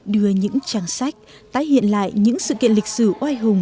đưa những trang sách tái hiện lại những sự kiện lịch sử oai hùng